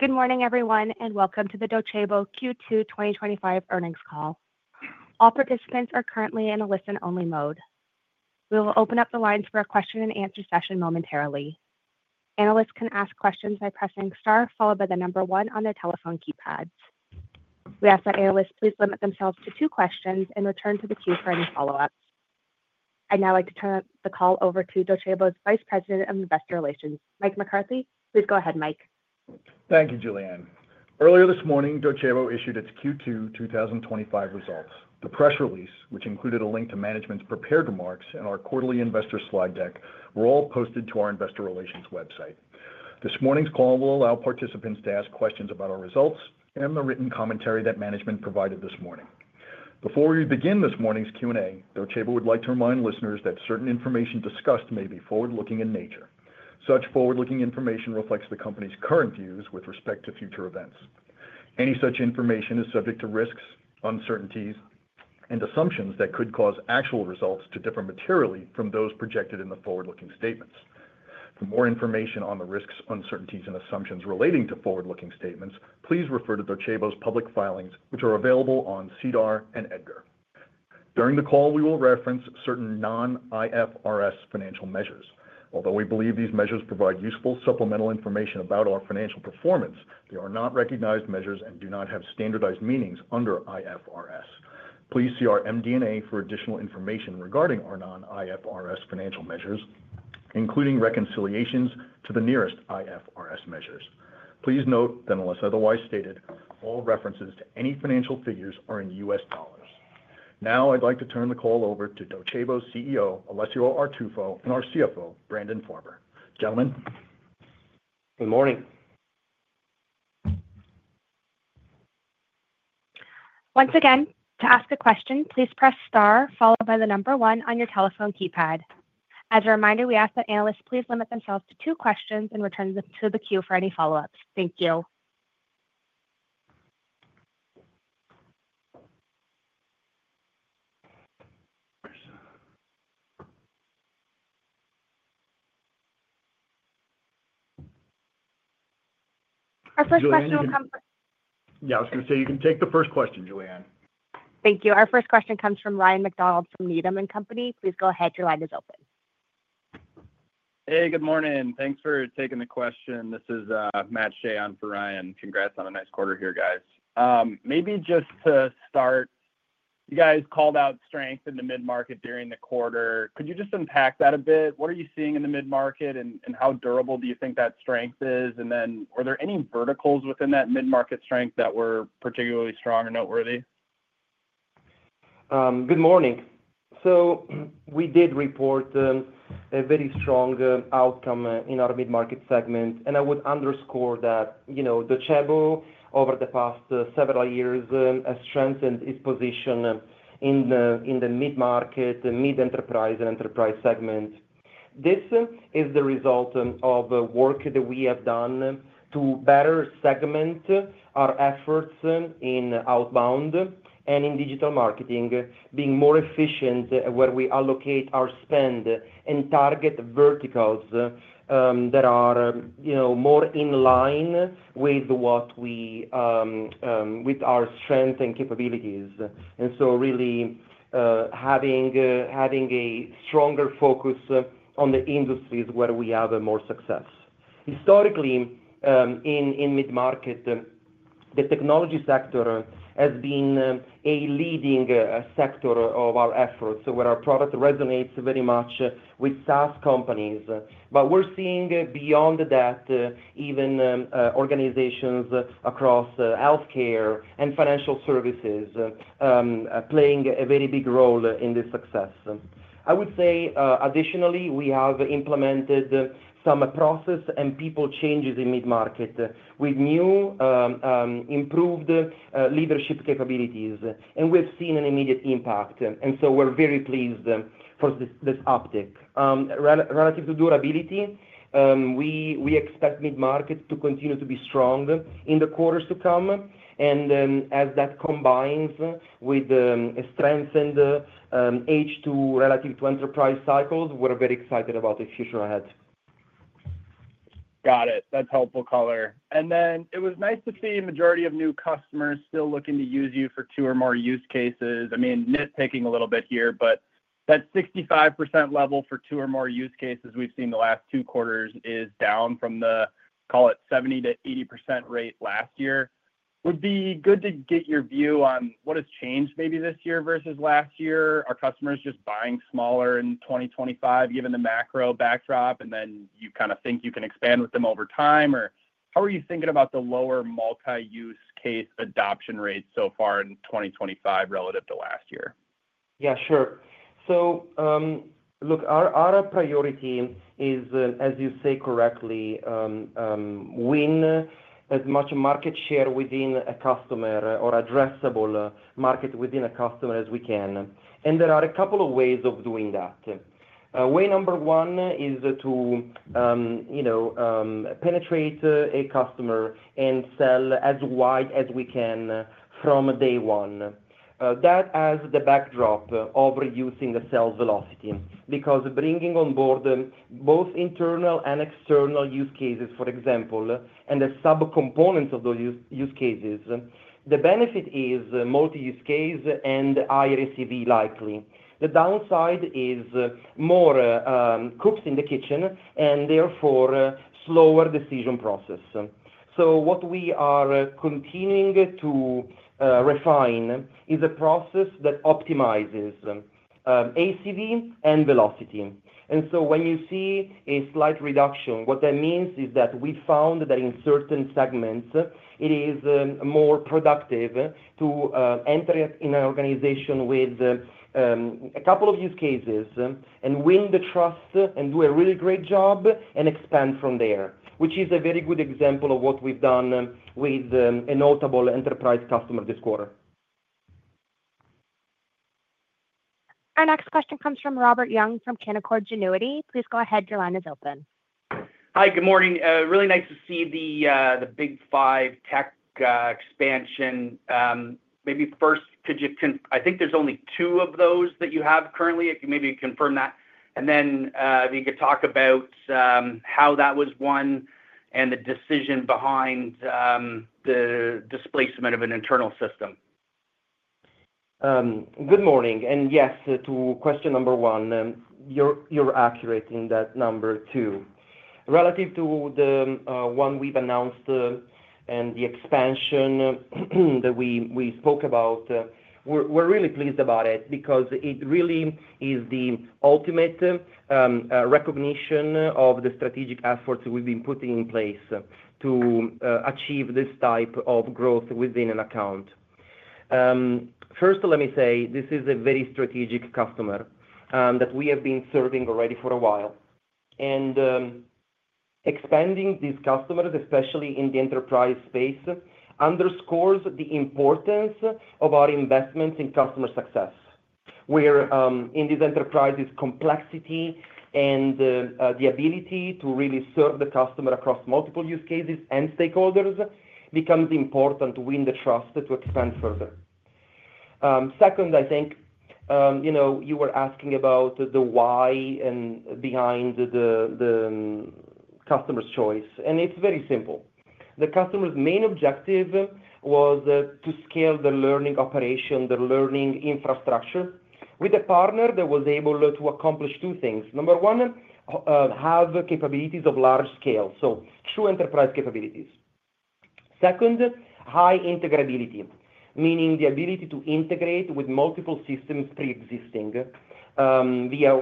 Good morning, everyone, and welcome to the Docebo Q2 2025 Earnings Call. All participants are currently in a listen-only mode. We will open up the lines for a question-and-answer session momentarily. Analysts can ask questions by pressing star, followed by the number one on their telephone keypads. We ask that analysts please limit themselves to two questions and return to the queues for any follow-ups. I'd now like to turn the call over to Docebo's Vice President of Investor Relations, Mike McCarthy. Please go ahead, Mike. Thank you, Jillian. Earlier this morning, Docebo issued its Q2 2025 results. The press release, which included a link to management's prepared remarks and our quarterly investor slide deck, was posted to our investor relations website. This morning's call will allow participants to ask questions about our results and the written commentary that management provided this morning. Before we begin this morning's Q&A, Docebo would like to remind listeners that certain information discussed may be forward-looking in nature. Such forward-looking information reflects the company's current views with respect to future events. Any such information is subject to risks, uncertainties, and assumptions that could cause actual results to differ materially from those projected in the forward-looking statements. For more information on the risks, uncertainties, and assumptions relating to forward-looking statements, please refer to Docebo's public filings, which are available on SEDAR and EDGAR. During the call, we will reference certain non-IFRS financial measures. Although we believe these measures provide useful supplemental information about our financial performance, they are not recognized measures and do not have standardized meanings under IFRS. Please see our MD&A for additional information regarding our non-IFRS financial measures, including reconciliations to the nearest IFRS measures. Please note that, unless otherwise stated, all references to any financial figures are in U.S. dollars. Now, I'd like to turn the call over to Docebo's CEO, Alessio Artuffo, and our CFO, Brandon Farber. Gentlemen. Good morning. Once again, to ask a question, please press star, followed by the number one on your telephone keypad. As a reminder, we ask that analysts please limit themselves to two questions and return to the queue for any follow-ups. Thank you. Our first question will come from. Yeah, I was going to say you can take the first question, Jillian. Thank you. Our first question comes from Ryan MacDonald from Needham & Company. Please go ahead. Your line is open. Hey, good morning. Thanks for taking the question. This is Matt Shea in for Ryan. Congrats on a nice quarter here, guys. Maybe just to start, you guys called out strength in the mid-market during the quarter. Could you just unpack that a bit? What are you seeing in the mid-market and how durable do you think that strength is? Were there any verticals within that mid-market strength that were particularly strong or noteworthy? Good morning. We did report a very strong outcome in our mid-market segment, and I would underscore that, you know, Docebo over the past several years has strengthened its position in the mid-market, mid-enterprise, and enterprise segment. This is the result of work that we have done to better segment our efforts in outbound and in digital marketing, being more efficient where we allocate our spend and target verticals that are, you know, more in line with what we, with our strength and capabilities. Really, having a stronger focus on the industries where we have more success. Historically, in mid-market, the technology sector has been a leading sector of our efforts, where our product resonates very much with SaaS companies. We're seeing beyond that, even organizations across healthcare and financial services playing a very big role in this success. I would say, additionally, we have implemented some process and people changes in mid-market with new, improved leadership capabilities, and we've seen an immediate impact. We're very pleased for this uptick. Relative to durability, we expect mid-market to continue to be strong in the quarters to come. As that combines with a strengthened H2 relative to enterprise cycles, we're very excited about the future ahead. Got it. That's helpful, Color. It was nice to see a majority of new customers still looking to use you for two or more use cases. I mean, nitpicking a little bit here, but that 65% level for two or more use cases we've seen the last two quarters is down from the, call it, 70%-80% rate last year. Would be good to get your view on what has changed maybe this year versus last year. Are customers just buying smaller in 2025 given the macro backdrop, and then you kind of think you can expand with them over time, or how are you thinking about the lower multi-use case adoption rate so far in 2025 relative to last year? Yeah, sure. Our priority is, as you say correctly, win as much market share within a customer or addressable market within a customer as we can. There are a couple of ways of doing that. Way number one is to penetrate a customer and sell as wide as we can from day one. That has the backdrop of reducing the sales velocity because bringing on board both internal and external use cases, for example, and the subcomponents of those use cases, the benefit is multi-use case and higher ACV likely. The downside is more cooked in the kitchen and therefore slower decision process. What we are continuing to refine is a process that optimizes ACV and velocity. When you see a slight reduction, what that means is that we found that in certain segments, it is more productive to enter in an organization with a couple of use cases and win the trust and do a really great job and expand from there, which is a very good example of what we've done with a notable enterprise customer this quarter. Our next question comes from Robert Young from Canaccord Genuity. Please go ahead. Your line is open. Hi, good morning. Really nice to see the big five tech expansion. Maybe first, could you, I think there's only two of those that you have currently. Maybe you confirm that. Then we could talk about how that was won and the decision behind the displacement of an internal system. Good morning. Yes, to question number one, you're accurate in that number too. Relative to the one we've announced and the expansion that we spoke about, we're really pleased about it because it really is the ultimate recognition of the strategic efforts we've been putting in place to achieve this type of growth within an account. First, let me say this is a very strategic customer that we have been serving already for a while. Expanding these customers, especially in the enterprise space, underscores the importance of our investments in customer success. In these enterprises, complexity and the ability to really serve the customer across multiple use cases and stakeholders becomes important to win the trust to expand further. I think you were asking about the why and behind the customer's choice. It's very simple. The customer's main objective was to scale the learning operation, the learning infrastructure with a partner that was able to accomplish two things. Number one, have capabilities of large scale, so true enterprise capabilities. Second, high integratability, meaning the ability to integrate with multiple systems pre-existing via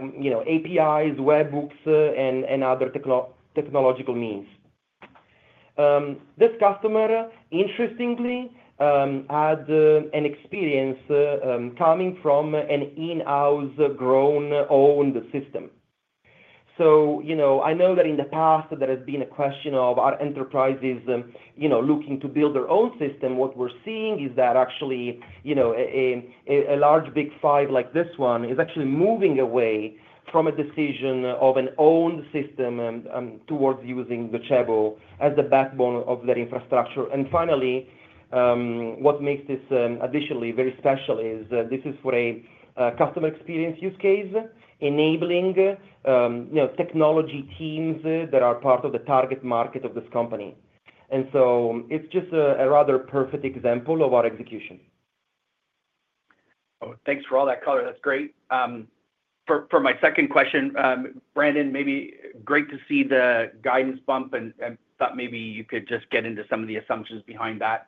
APIs, webhooks, and other technological means. This customer, interestingly, had an experience coming from an in-house grown owned system. I know that in the past there has been a question of our enterprises looking to build their own system. What we're seeing is that actually, a large big five like this one is actually moving away from a decision of an owned system towards using Docebo as the backbone of their infrastructure. Finally, what makes this additionally very special is this is for a customer experience use case enabling technology teams that are part of the target market of this company. It's just a rather perfect example of our execution. Oh, thanks for all that color. That's great. For my second question, Brandon, maybe great to see the guidance bump and thought maybe you could just get into some of the assumptions behind that.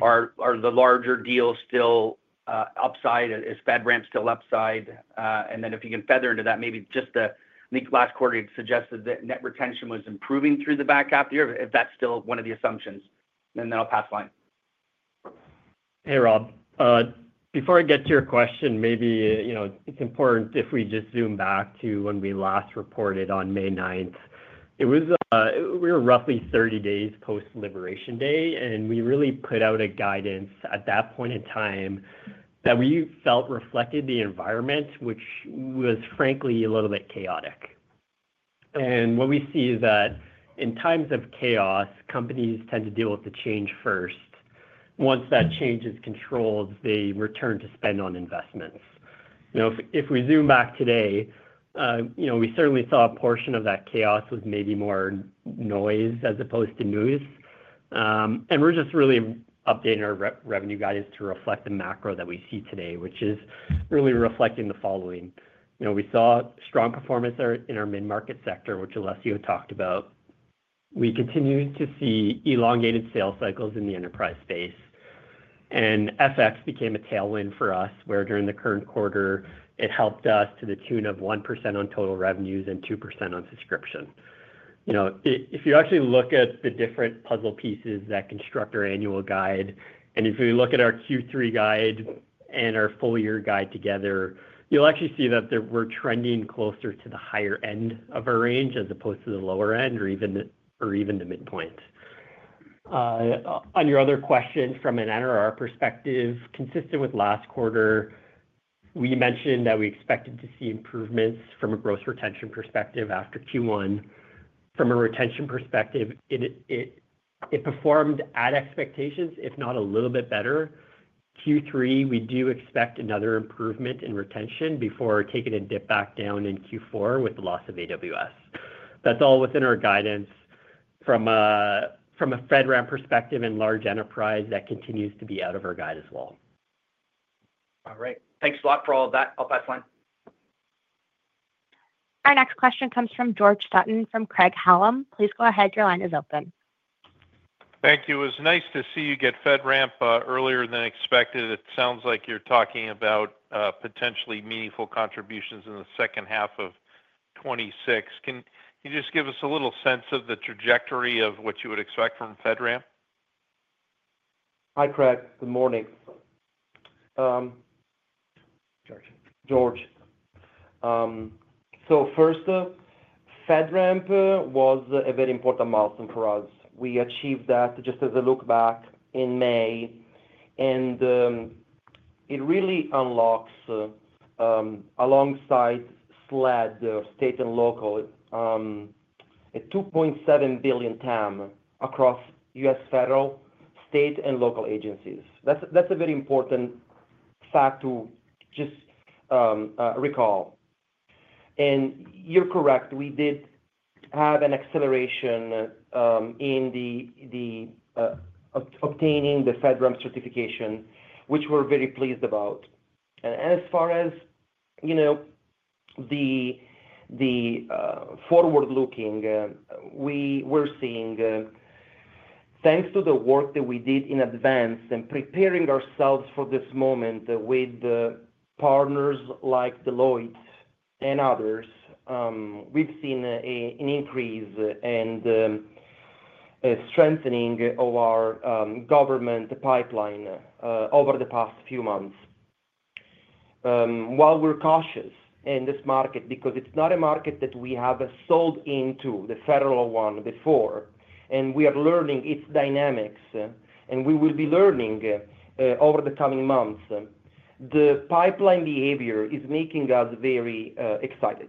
Are the larger deals still upside? Is FedRAMP still upside? If you can feather into that, maybe just the last quarter you suggested that net retention was improving through the back half of the year, if that's still one of the assumptions. I'll pass the line. Hey, Rob. Before I get to your question, maybe it's important if we just zoom back to when we last reported on May 9. It was, we were roughly 30 days post-Liberation Day, and we really put out a guidance at that point in time that we felt reflected the environment, which was frankly a little bit chaotic. What we see is that in times of chaos, companies tend to deal with the change first. Once that change is controlled, they return to spend on investments. Now, if we zoom back today, we certainly saw a portion of that chaos was maybe more noise as opposed to news. We're just really updating our revenue guidance to reflect the macro that we see today, which is really reflecting the following. We saw strong performance in our mid-market sector, which Alessio talked about. We continue to see elongated sales cycles in the enterprise space. FX became a tailwind for us, where during the current quarter, it helped us to the tune of 1% on total revenues and 2% on subscription. If you actually look at the different puzzle pieces that construct our annual guide, and if we look at our Q3 guide and our full-year guide together, you'll actually see that we're trending closer to the higher end of our range as opposed to the lower end or even the midpoint. On your other question, from an NRR perspective, consistent with last quarter, we mentioned that we expected to see improvements from a gross retention perspective after Q1. From a retention perspective, it performed at expectations, if not a little bit better. Q3, we do expect another improvement in retention before taking a dip back down in Q4 with the loss of AWS. That's all within our guidance from a FedRAMP perspective and large enterprise that continues to be out of our guide as well. All right, thanks a lot for all of that. I'll pass the line. Our next question comes from George Sutton from Craig-Hallum. Please go ahead. Your line is open. Thank you. It was nice to see you get FedRAMP earlier than expected. It sounds like you're talking about potentially meaningful contributions in the second half of 2026. Can you just give us a little sense of the trajectory of what you would expect from FedRAMP? Hi, Craig. Good morning. George. FedRAMP was a very important milestone for us. We achieved that just as a look back in May, and it really unlocks, alongside SLED, state and local, a $2.7 billion TAM across U.S. federal, state, and local agencies. That's a very important fact to just recall. You're correct. We did have an acceleration in obtaining the FedRAMP certification, which we're very pleased about. As far as the forward-looking, we were seeing, thanks to the work that we did in advance and preparing ourselves for this moment with partners like Deloitte and others, we've seen an increase and a strengthening of our government pipeline over the past few months. While we're cautious in this market because it's not a market that we have sold into, the federal one before, and we are learning its dynamics, and we will be learning over the coming months, the pipeline behavior is making us very excited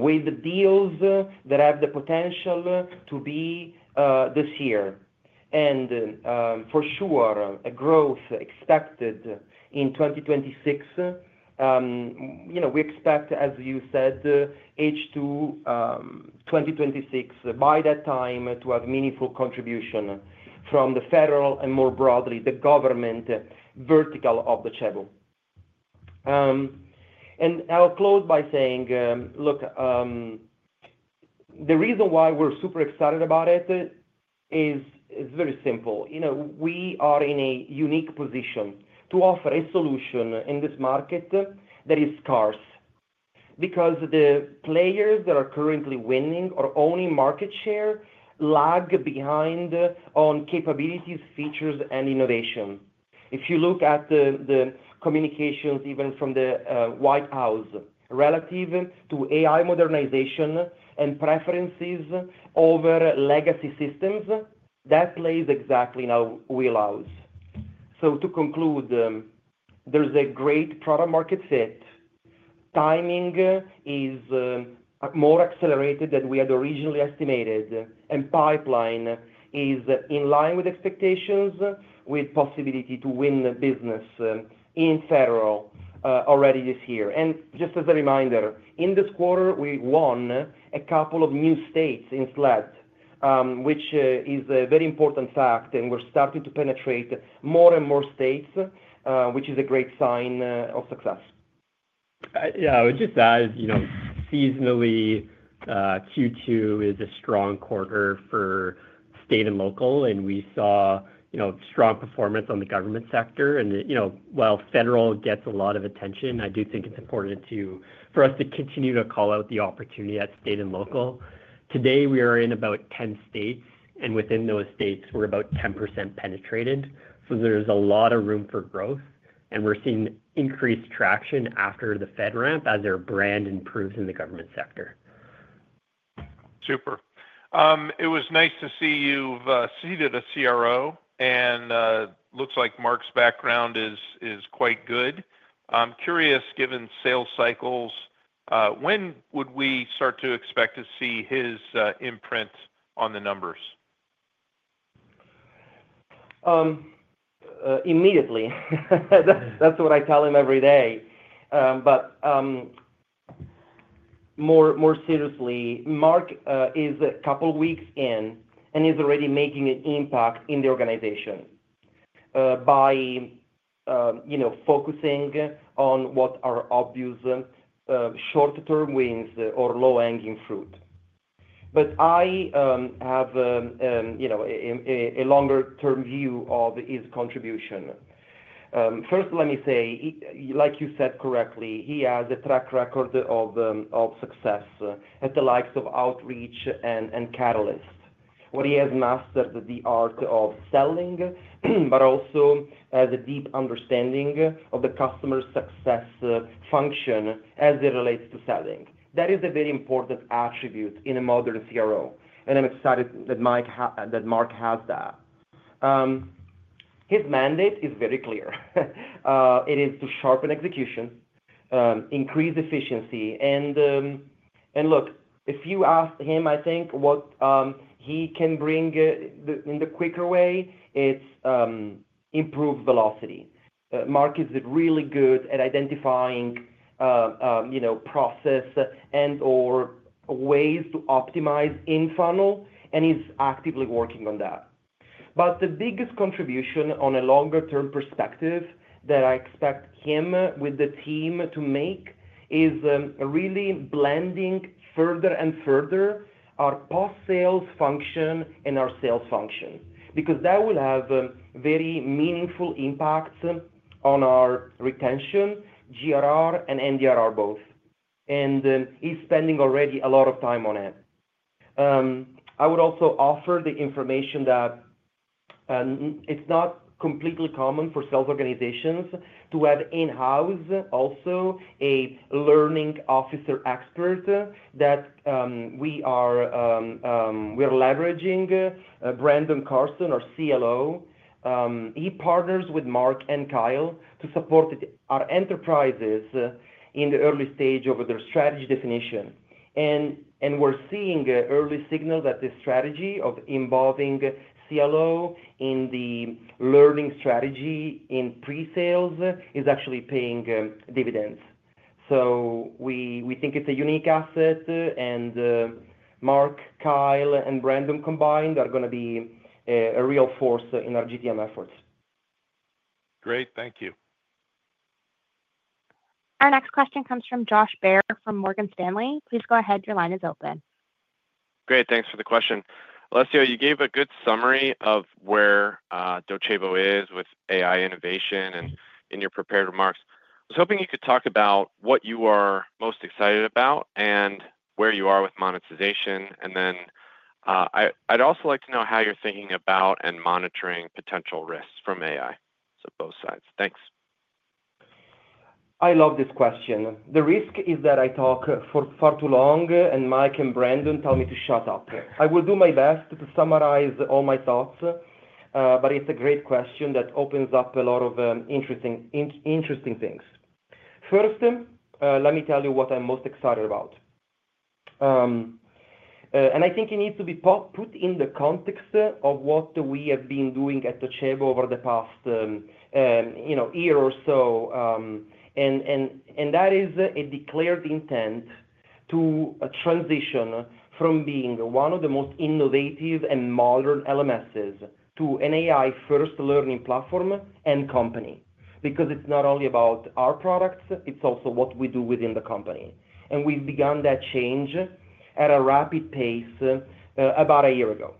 with the deals that have the potential to be this year. For sure, a growth expected in 2026. We expect, as you said, H2 2026, by that time, to have meaningful contribution from the federal and more broadly the government vertical of Docebo. I'll close by saying, look, the reason why we're super excited about it is very simple. We are in a unique position to offer a solution in this market that is scarce because the players that are currently winning or owning market share lag behind on capabilities, features, and innovation. If you look at the communications even from the White House relative to AI modernization and preferences over legacy systems, that plays exactly in our wheelhouse. To conclude, there's a great product-market fit. Timing is more accelerated than we had originally estimated, and pipeline is in line with expectations with the possibility to win business in federal already this year. Just as a reminder, in this quarter, we won a couple of new states in SLED, which is a very important fact, and we're starting to penetrate more and more states, which is a great sign of success. Yeah, I would just add, you know, seasonally, Q2 is a strong quarter for state and local, and we saw strong performance on the government sector. While federal gets a lot of attention, I do think it's important for us to continue to call out the opportunity at state and local. Today, we are in about 10 states, and within those states, we're about 10% penetrated. There's a lot of room for growth, and we're seeing increased traction after the FedRAMP as our brand improves in the government sector. Super. It was nice to see you've seeded a CRO, and it looks like Mark's background is quite good. I'm curious, given sales cycles, when would we start to expect to see his imprint on the numbers? Immediately. That's what I tell him every day. More seriously, Mark is a couple of weeks in and is already making an impact in the organization by focusing on what are obvious short-term wins or low-hanging fruit. I have a longer-term view of his contribution. First, let me say, like you said correctly, he has a track record of success at the likes of Outreach and Catalyst, where he has mastered the art of selling, but also has a deep understanding of the customer success function as it relates to selling. That is a very important attribute in a modern CRO, and I'm excited that Mark has that. His mandate is very clear. It is to sharpen execution, increase efficiency, and look, if you ask him, I think what he can bring in the quicker way, it's improved velocity. Mark is really good at identifying process and/or ways to optimize in-funnel, and he's actively working on that. The biggest contribution on a longer-term perspective that I expect him with the team to make is really blending further and further our post-sales function and our sales function because that will have very meaningful impacts on our retention, GRR, and NDRR both. He's spending already a lot of time on it. I would also offer the information that it's not completely common for sales organizations to have in-house also a learning officer expert that we are leveraging, Brandon Carson, our CLO. He partners with Mark and Kyle to support our enterprises in the early stage of their strategy definition. We're seeing early signals that the strategy of involving CLO in the learning strategy in pre-sales is actually paying dividends. We think it's a unique asset, and Mark, Kyle, and Brandon combined are going to be a real force in our GTM efforts. Great. Thank you. Our next question comes from Josh Baer from Morgan Stanley. Please go ahead. Your line is open. Great. Thanks for the question. Alessio, you gave a good summary of where Docebo is with AI innovation and in your prepared remarks. I was hoping you could talk about what you are most excited about and where you are with monetization. I'd also like to know how you're thinking about and monitoring potential risks from AI. Both sides. Thanks. I love this question. The risk is that I talk for far too long and Mike and Brandon tell me to shut up. I will do my best to summarize all my thoughts, but it's a great question that opens up a lot of interesting things. First, let me tell you what I'm most excited about. I think it needs to be put in the context of what we have been doing at Docebo over the past year or so. That is a declared intent to transition from being one of the most innovative and modern LMSs to an AI-first learning platform and company because it's not only about our products, it's also what we do within the company. We've begun that change at a rapid pace about a year ago.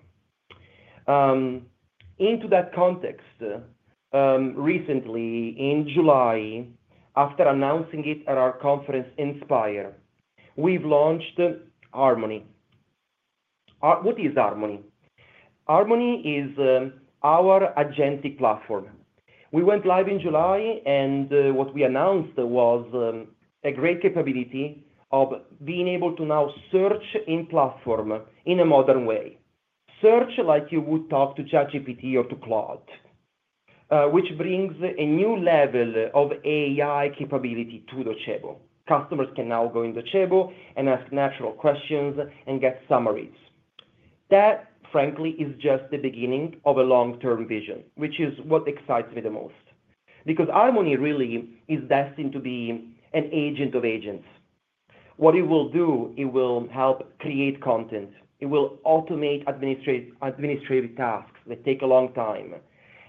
Into that context, recently in July, after announcing it at our conference Inspire, we've launched Harmony. What is Harmony? Harmony is our agentic AI platform. We went live in July, and what we announced was a great capability of being able to now search in platform in a modern way. Search like you would talk to ChatGPT or to Claude, which brings a new level of AI capability to Docebo. Customers can now go in Docebo and ask natural questions and get summaries. That, frankly, is just the beginning of a long-term vision, which is what excites me the most because Harmony really is destined to be an agent of agents. What it will do, it will help create content. It will automate administrative tasks that take a long time.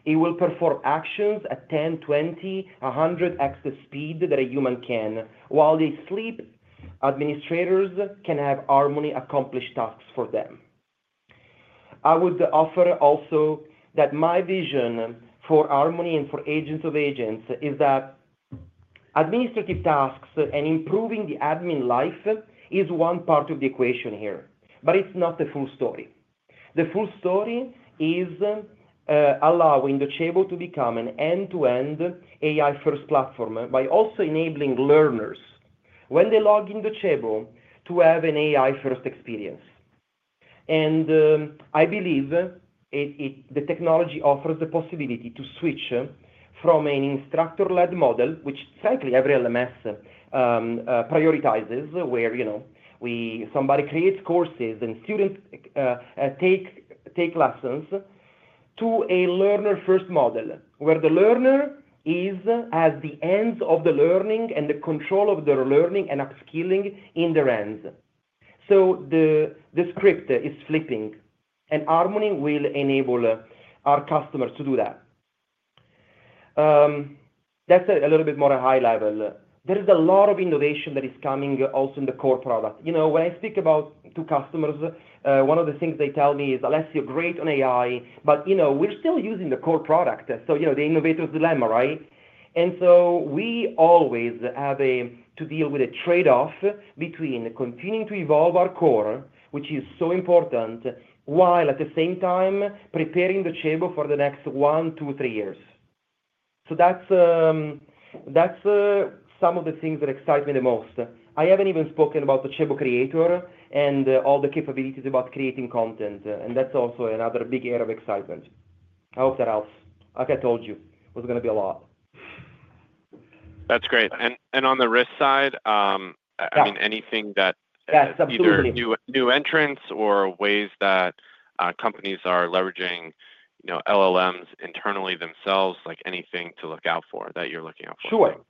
It will perform actions at 10x, 20x, 100x the speed that a human can. While they sleep, administrators can have Harmony accomplish tasks for them. I would offer also that my vision for Harmony and for agent of agents is that administrative tasks and improving the admin life is one part of the equation here, but it's not the full story. The full story is allowing Docebo to become an end-to-end AI-first platform by also enabling learners, when they log in Docebo, to have an AI-first experience. I believe the technology offers the possibility to switch from an instructor-led model, which frankly every LMS prioritizes, where somebody creates courses and students take lessons, to a learner-first model, where the learner has the ends of the learning and the control of their learning and upskilling in their ends. The script is flipping, and Harmony will enable our customers to do that. That's a little bit more high level. There is a lot of innovation that is coming also in the core product. You know, when I speak to customers, one of the things they tell me is, "Alessio, great on AI, but you know we're still using the core product." The innovator's dilemma, right? We always have to deal with a trade-off between continuing to evolve our core, which is so important, while at the same time preparing the table for the next one, two, three years. That's some of the things that excite me the most. I haven't even spoken about the table creator and all the capabilities about creating content, and that's also another big area of excitement. I hope that helps. Like I told you, it was going to be a lot. That's great. On the risk side, I mean, anything that. Yes, absolutely. New entrants or ways that companies are leveraging, you know, LLMs internally themselves, like anything to look out for that you're looking out for? Sure.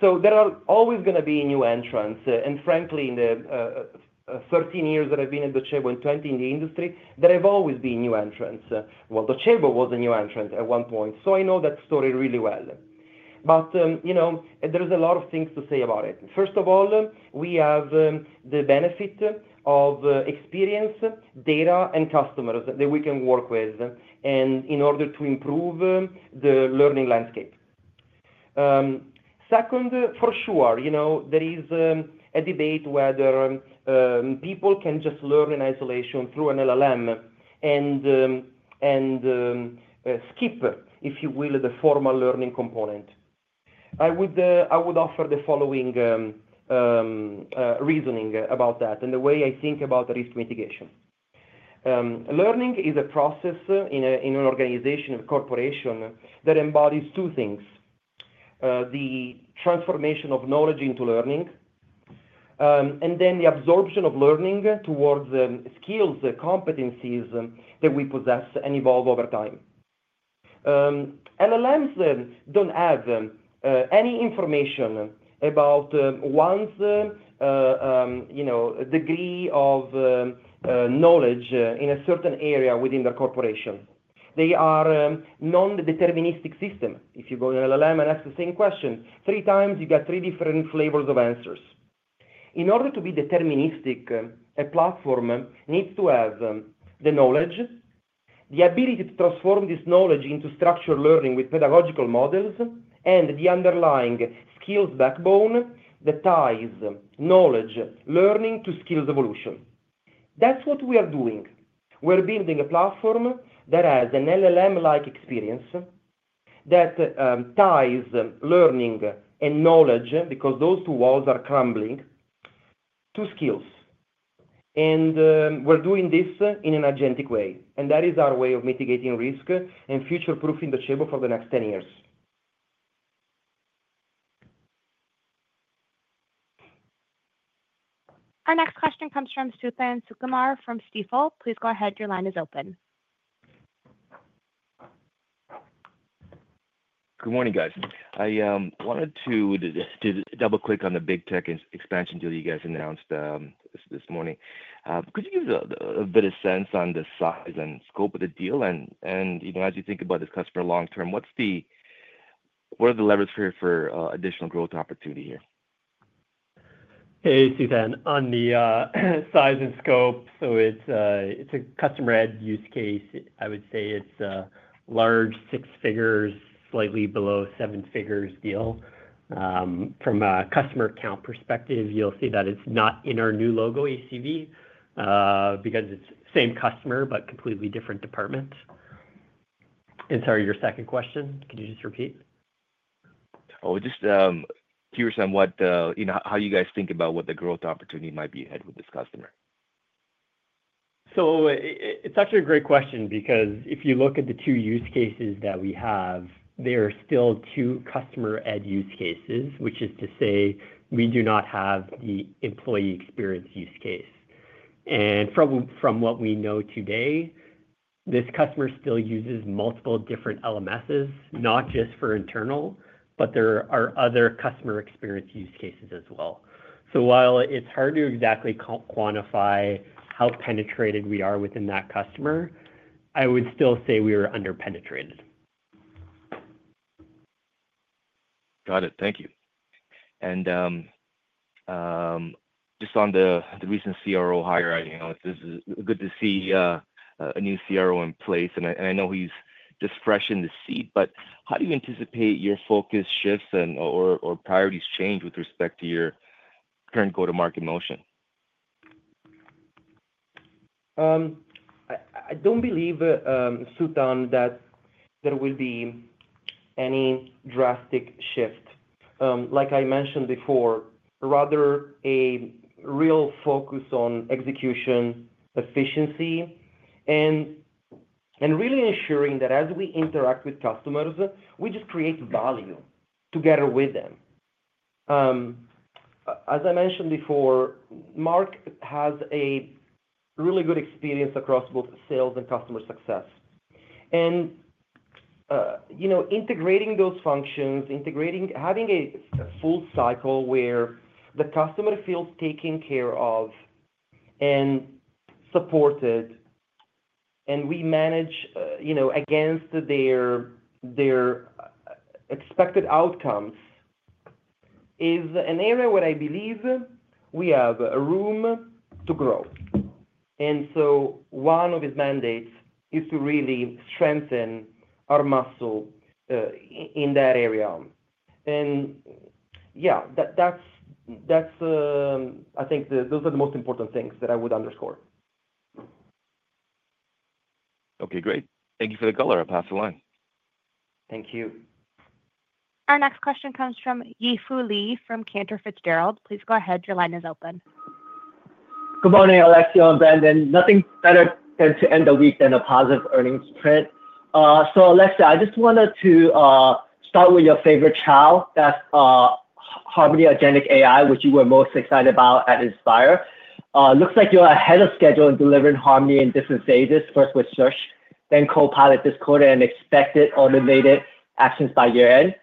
There are always going to be new entrants. Frankly, in the 13 years that I've been at Docebo and 20 in the industry, there have always been new entrants. Docebo was a new entrant at one point. I know that story really well. There's a lot of things to say about it. First of all, we have the benefit of experience, data, and customers that we can work with in order to improve the learning landscape. Second, for sure, there is a debate whether people can just learn in isolation through an LLM and skip, if you will, the formal learning component. I would offer the following reasoning about that and the way I think about risk mitigation. Learning is a process in an organization, in a corporation that embodies two things: the transformation of knowledge into learning and then the absorption of learning towards skills, competencies that we possess and evolve over time. LLMs don't have any information about one's degree of knowledge in a certain area within their corporation. They are a non-deterministic system. If you go to an LLM and ask the same question three times, you get three different flavors of answers. In order to be deterministic, a platform needs to have the knowledge, the ability to transform this knowledge into structured learning with pedagogical models, and the underlying skills backbone that ties knowledge learning to skills evolution. That's what we are doing. We're building a platform that has an LLM-like experience that ties learning and knowledge because those two walls are crumbling to skills. We're doing this in an agentic way. That is our way of mitigating risk and future-proofing the table for the next 10 years. Our next question comes from Suthan Sukumar from Stifel. Please go ahead. Your line is open. Good morning, guys. I wanted to double-click on the big tech expansion deal you guys announced this morning. Could you give us a bit of sense on the size and scope of the deal? As you think about this customer long-term, what are the levers for additional growth opportunity here? Hey, Suthan. On the size and scope, it's a customer-ed use case. I would say it's the large six figures, slightly below seven figures deal. From a customer account perspective, you'll see that it's not in our new logo ACV because it's the same customer, but completely different department. Sorry, your second question, could you just repeat? Just curious on what you know, how you guys think about what the growth opportunity might be ahead with this customer. It's actually a great question because if you look at the two use cases that we have, there are still two customer-ed use cases, which is to say we do not have the employee experience use case. From what we know today, this customer still uses multiple different LMSs, not just for internal, but there are other customer experience use cases as well. While it's hard to exactly quantify how penetrated we are within that customer, I would still say we are underpenetrated. Got it. Thank you. On the recent CRO hire, it's good to see a new CRO in place. I know he's just fresh in the seat, but how do you anticipate your focus shifts and/or priorities change with respect to your current go-to-market motion? I don't believe, Suthan, that there will be any drastic shift. Like I mentioned before, rather a real focus on execution, efficiency, and really ensuring that as we interact with customers, we just create value together with them. As I mentioned before, Mark has a really good experience across both sales and customer success. Integrating those functions, having a full cycle where the customer feels taken care of and supported, and we manage against their expected outcomes is an area where I believe we have room to grow. One of his mandates is to really strengthen our muscle in that area. I think those are the most important things that I would underscore. Okay, great. Thank you for the call. I'll pass the line. Thank you. Our next question comes from Yi Fu Lee from Cantor Fitzgerald. Please go ahead. Your line is open. Good morning, Alessio and Brandon. Nothing better than to end the week than a positive earnings trend. Alessio, I just wanted to start with your favorite child, that's Harmony agentic AI, which you were most excited about at Inspire. It looks like you're ahead of schedule in delivering Harmony in different stages, first with Harmony Search, then Copilot this quarter, and expected automated actions by year-end.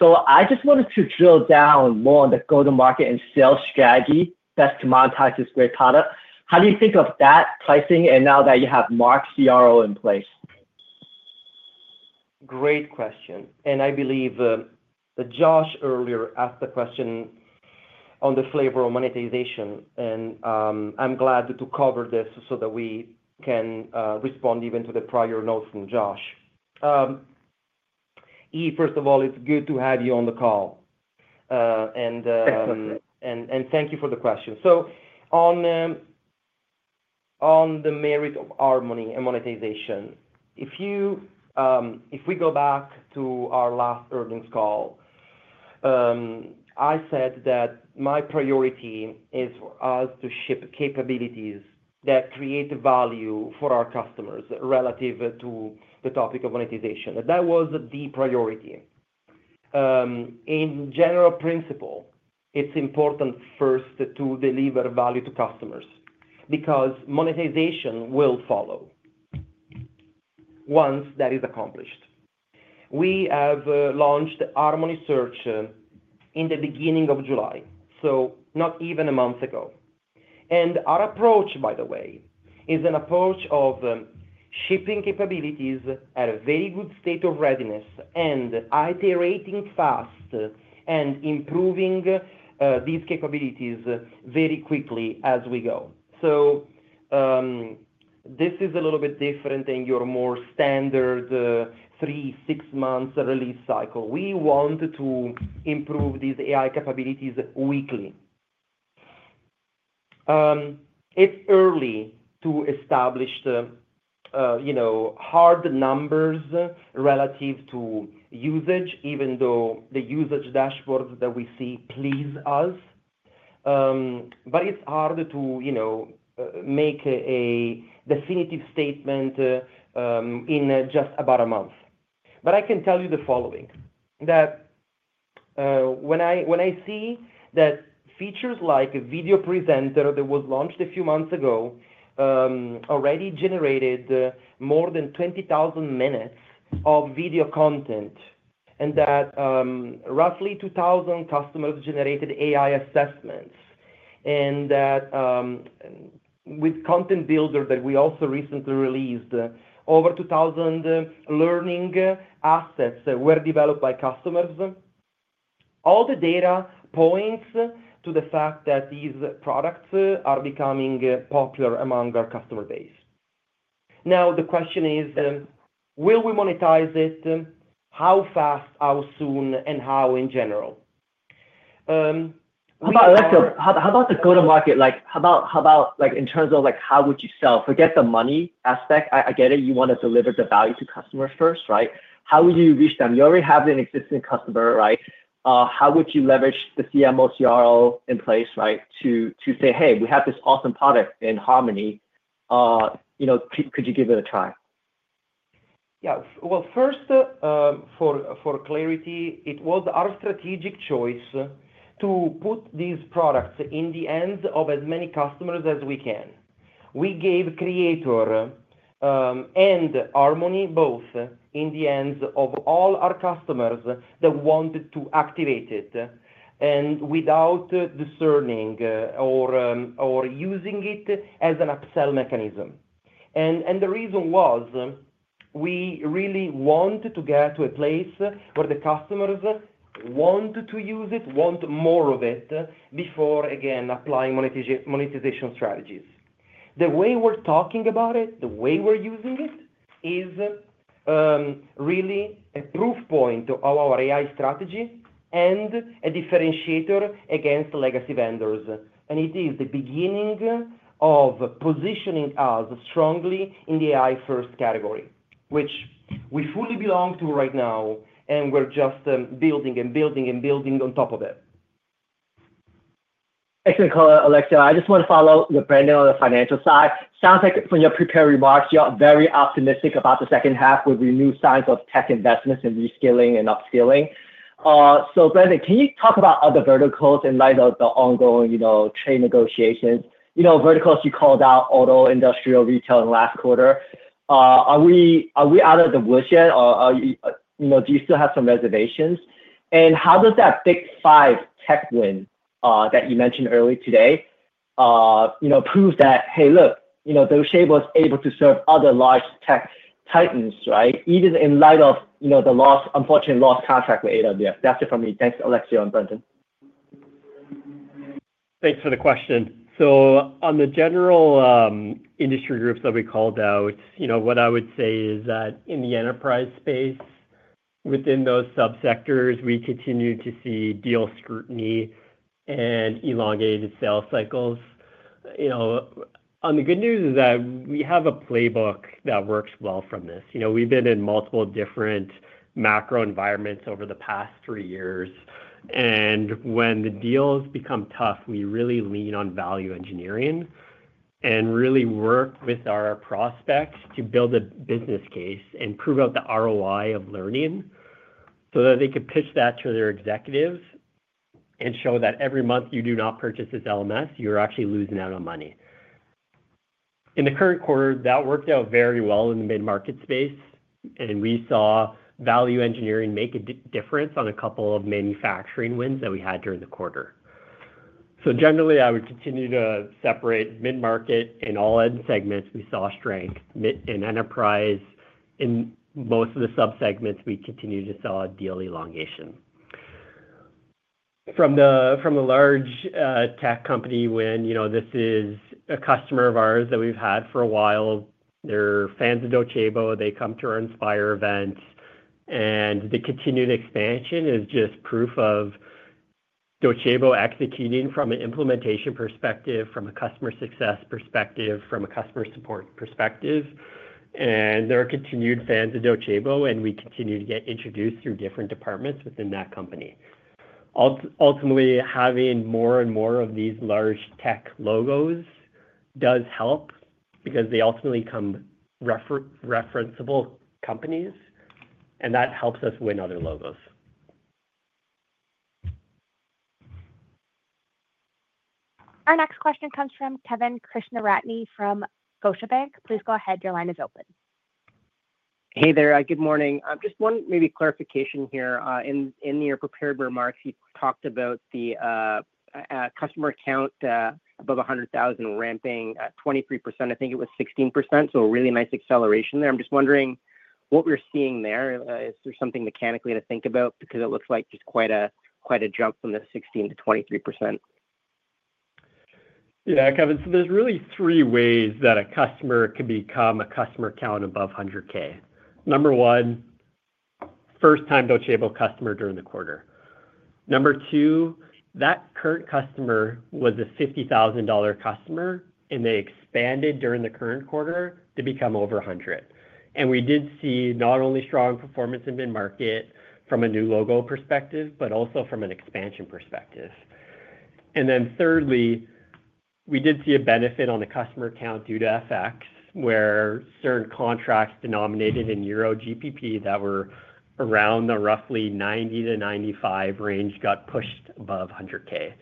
I just wanted to drill down more on the go-to-market and sales strategy best to monetize this great product. How do you think of that pricing and now that you have Mark's CRO in place? Great question. I believe Josh earlier asked the question on the flavor of monetization, and I'm glad to cover this so that we can respond even to the prior notes from Josh. First of all, it's good to have you on the call. Thank you for the question. On the merit of Harmony and monetization, if we go back to our last earnings call, I said that my priority is us to ship capabilities that create value for our customers relative to the topic of monetization. That was the priority. In general principle, it's important first to deliver value to customers because monetization will follow once that is accomplished. We have launched Harmony Search in the beginning of July, so not even a month ago. Our approach, by the way, is an approach of shipping capabilities at a very good state of readiness and iterating fast and improving these capabilities very quickly as we go. This is a little bit different than your more standard three, six months release cycle. We want to improve these AI capabilities weekly. It's early to establish the hard numbers relative to usage, even though the usage dashboards that we see please us. It's hard to make a definitive statement in just about a month. I can tell you the following, that when I see that features like a video presenter that was launched a few months ago already generated more than 20,000 minutes of video content and that roughly 2,000 customers generated AI assessments and that with content builder that we also recently released, over 2,000 learning assets were developed by customers. All the data points to the fact that these products are becoming popular among our customer base. The question is, will we monetize it? How fast, how soon, and how in general? How about the go-to-market? How about in terms of how would you sell? Forget the money aspect. I get it. You want to deliver the value to customers first, right? How would you reach them? You already have an existing customer, right? How would you leverage the CMO and CRO in place to say, "Hey, we have this awesome product in Harmony. You know, could you give it a try? For clarity, it was our strategic choice to put these products in the hands of as many customers as we can. We gave Creator and Harmony both in the hands of all our customers that wanted to activate it and without discerning or using it as an upsell mechanism. The reason was we really want to get to a place where the customers want to use it, want more of it before, again, applying monetization strategies. The way we're talking about it, the way we're using it is really a proof point of our AI strategy and a differentiator against legacy vendors. It is the beginning of positioning us strongly in the AI-first category, which we fully belong to right now, and we're just building and building and building on top of it. Excellent, Alessio. I just want to follow you, Brandon, on the financial side. Sounds like from your prepared remarks, you're very optimistic about the second half with renewed signs of tech investments in reskilling and upskilling. Brandon, can you talk about other verticals in light of the ongoing trade negotiation? You know, verticals you called out: auto, industrial, retail in the last quarter. Are we out of the woods yet, or do you still have some reservations? How does that big five tech win that you mentioned earlier today prove that, hey, look, you know, Docebo is able to serve other large tech titans, right? Even in light of, you know, the unfortunate lost contract with AWF? That's it for me. Thanks, Alessio and Brandon. Thanks for the question. On the general industry groups that we called out, what I would say is that in the enterprise space, within those subsectors, we continue to see deal scrutiny and elongated sales cycles. The good news is that we have a playbook that works well for this. We've been in multiple different macro environments over the past three years, and when the deals become tough, we really lean on value engineering and really work with our prospects to build a business case and prove out the ROI of learning so that they could pitch that to their executives and show that every month you do not purchase this LMS, you're actually losing out on money. In the current quarter, that worked out very well in the mid-market space, and we saw value engineering make a difference on a couple of manufacturing wins that we had during the quarter. Generally, I would continue to separate mid-market and all end segments. We saw strength in enterprise. In most of the subsegments, we continue to see deal elongation. From the large tech company, this is a customer of ours that we've had for a while, they're fans of Docebo. They come to our Inspire events, and the continued expansion is just proof of Docebo executing from an implementation perspective, from a customer success perspective, from a customer support perspective. They're continued fans of Docebo, and we continue to get introduced through different departments within that company. Ultimately, having more and more of these large tech logos does help because they ultimately become referenceable companies, and that helps us win other logos. Our next question comes from Kevin Krishnaratne from Scotiabank. Please go ahead. Your line is open. Good morning. I have just one maybe clarification here. In your prepared remarks, you talked about the customer account above $100,000 ramping at 23%. I think it was 16%. A really nice acceleration there. I'm just wondering what we're seeing there. Is there something mechanically to think about? Because it looks like quite a jump from the 16% to 23%. Yeah, Kevin. There are really three ways that a customer can become a customer count above $100,000. Number one, first-time Docebo customer during the quarter. Number two, that current customer was a $50,000 customer, and they expanded during the current quarter to become over $100,000. We did see not only strong performance in mid-market from a new logo perspective, but also from an expansion perspective. Thirdly, we did see a benefit on the customer account due to FX, where certain contracts denominated in Euro or GBP that were around the roughly $90,000-$95,000 range got pushed above $100,000.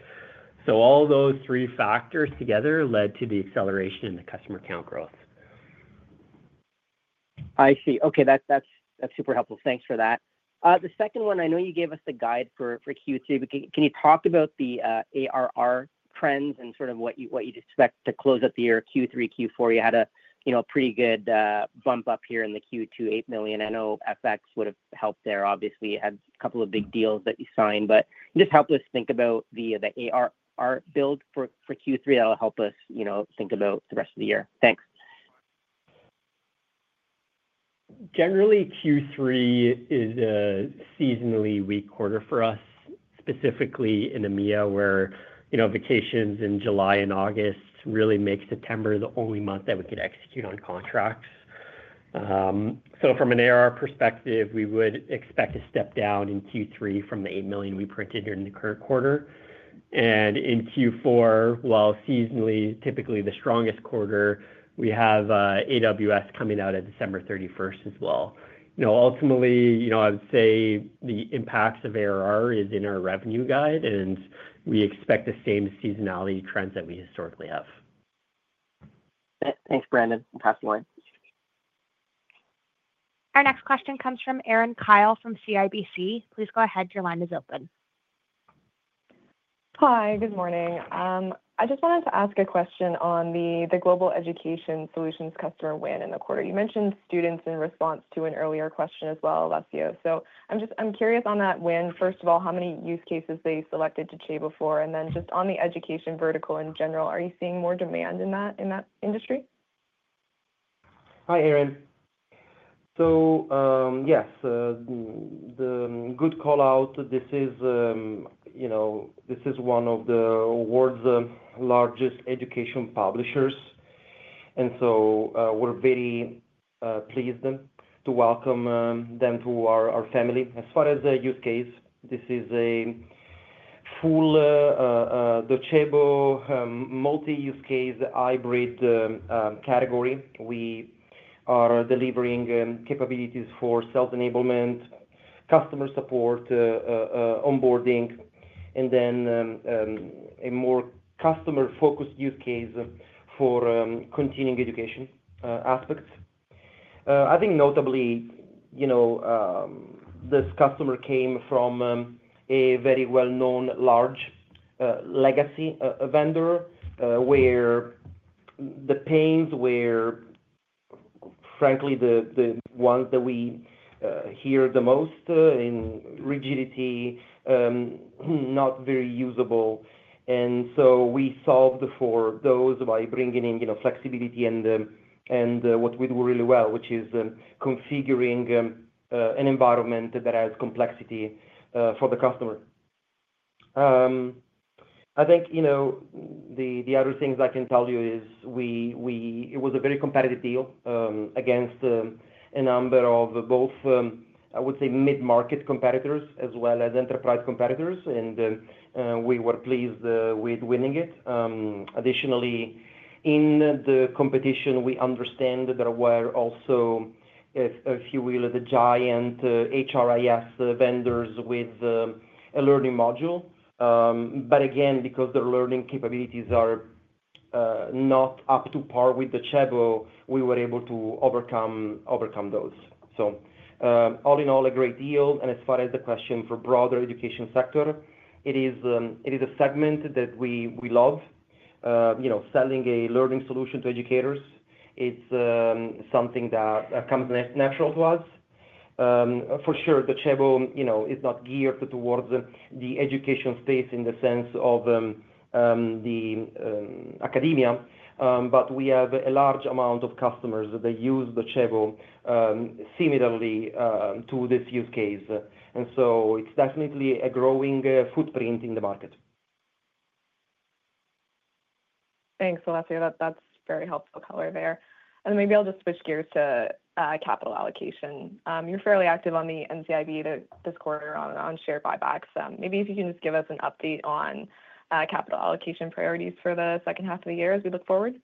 All those three factors together led to the acceleration in the customer account growth. I see. Okay, that's super helpful. Thanks for that. The second one, I know you gave us the guide for Q2, but can you talk about the ARR trends and sort of what you'd expect to close out the year Q3, Q4? You had a pretty good bump up here in the Q2, $8 million. I know FX would have helped there, obviously. You had a couple of big deals that you signed, but just help us think about the ARR build for Q3. That'll help us think about the rest of the year. Thanks. Generally, Q3 is a seasonally weak quarter for us, specifically in EMEA, where vacations in July and August really make September the only month that we could execute on contracts. From an ARR perspective, we would expect a step down in Q3 from the $8 million we printed during the current quarter. In Q4, while seasonally typically the strongest quarter, we have AWS coming out at December 31 as well. Ultimately, I would say the impacts of ARR are in our revenue guide, and we expect the same seasonality trends that we historically have. Thanks, Brandon. I'll pass the line. Our next question comes from Erin Kyle from CIBC. Please go ahead. Your line is open. Hi, good morning. I just wanted to ask a question on the Global Education Solutions customer win in the quarter. You mentioned students in response to an earlier question as well, Alessio. I'm curious on that win. First of all, how many use cases they selected to table for? Then just on the education vertical in general, are you seeing more demand in that industry? Hi, Aaron. Yes, good callout. This is one of the world's largest education publishers, and we're very pleased to welcome them to our family. As far as the use case, this is a full Docebo multi-use case hybrid category. We are delivering capabilities for self-enablement, customer support, onboarding, and then a more customer-focused use case for continuing education aspects. Notably, this customer came from a very well-known large legacy vendor where the pains were, frankly, the ones that we hear the most in rigidity, not very usable. We solved for those by bringing in flexibility and what we do really well, which is configuring an environment that adds complexity for the customer. The other things I can tell you is it was a very competitive deal against a number of both mid-market competitors as well as enterprise competitors, and we were pleased with winning it. Additionally, in the competition, we understand there were also, if you will, the giant HRIS vendors with a learning module. Again, because their learning capabilities are not up to par with Docebo, we were able to overcome those. All in all, a great deal. As far as the question for broader education sector, it is a segment that we love. Selling a learning solution to educators, it's something that comes natural to us. For sure, Docebo is not geared towards the education space in the sense of the academia, but we have a large amount of customers that use Docebo similarly to this use case. It's definitely a growing footprint in the market. Thanks, Alessio. That's very helpful color there. Maybe I'll just switch gears to capital allocation. You're fairly active on the NCIB this quarter on share buybacks. Maybe if you can just give us an update on capital allocation priorities for the second half of the year as we look forward.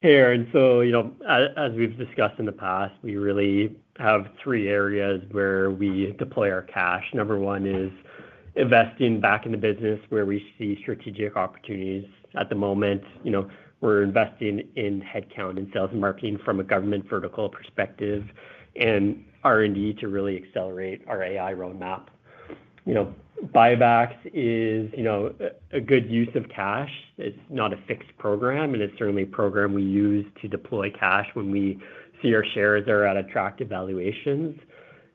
Hey, Aaron. As we've discussed in the past, we really have three areas where we deploy our cash. Number one is investing back in the business where we see strategic opportunities at the moment. We're investing in headcount and sales and marketing from a government vertical perspective and R&D to really accelerate our AI roadmap. Buybacks are a good use of cash. It's not a fixed program, and it's certainly a program we use to deploy cash when we see our shares are at attractive valuations.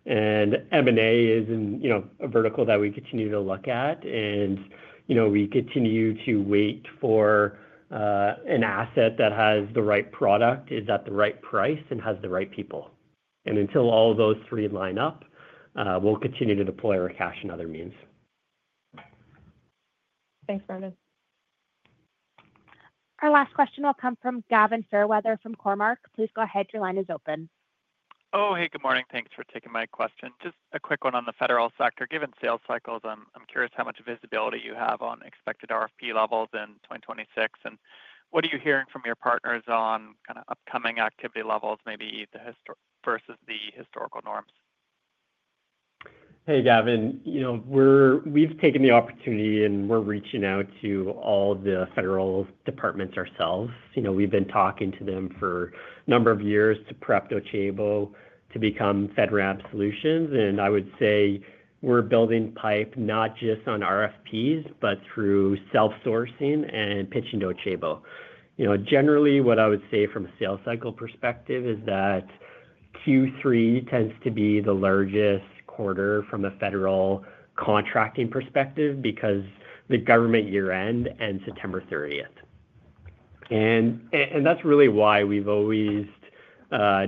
M&A is a vertical that we continue to look at. We continue to wait for an asset that has the right product, is at the right price, and has the right people. Until all of those three line up, we'll continue to deploy our cash in other means. Thanks, Brandon. Our last question will come from Gavin Fairweather from Cormark. Please go ahead. Your line is open. Oh, hey, good morning. Thanks for taking my question. Just a quick one on the federal sector. Given sales cycles, I'm curious how much visibility you have on expected RFP levels in 2026. What are you hearing from your partners on kind of upcoming activity levels, maybe versus the historical norms? Hey, Gavin. We've taken the opportunity and we're reaching out to all the federal departments ourselves. We've been talking to them for a number of years to prep Docebo to become FedRAMP solutions. I would say we're building pipe not just on RFPs, but through self-sourcing and pitching Docebo. Generally, what I would say from a sales cycle perspective is that Q3 tends to be the largest quarter from a federal contracting perspective because the government year-end ends September 30. That's really why we've always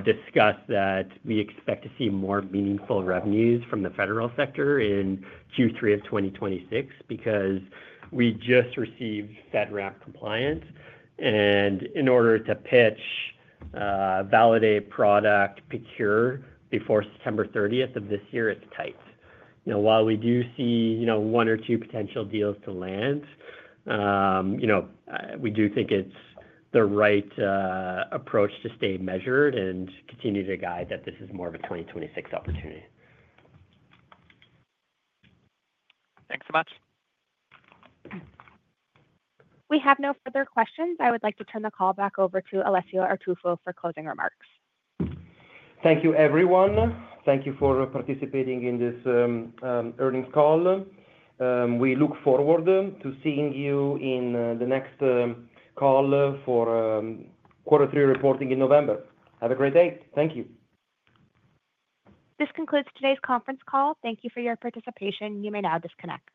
discussed that we expect to see more meaningful revenues from the federal sector in Q3 of 2026 because we just received FedRAMP compliance. In order to pitch, validate product, procure before September 30 of this year, it's tight. While we do see one or two potential deals to land, we do think it's the right approach to stay measured and continue to guide that this is more of a 2026 opportunity. Thanks so much. We have no further questions. I would like to turn the call back over to Alessio Artuffo for closing remarks. Thank you, everyone. Thank you for participating in this earnings call. We look forward to seeing you in the next call for quarter three reporting in November. Have a great day. Thank you. This concludes today's conference call. Thank you for your participation. You may now disconnect.